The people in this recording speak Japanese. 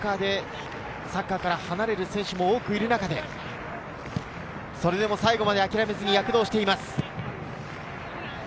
高校サッカーでサッカーから離れる選手も多くいる中で、それでも最後まで諦めずに躍動しています。